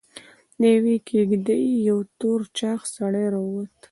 له يوې کېږدۍ يو تور چاغ سړی راووت.